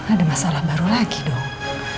ada masalah baru lagi dong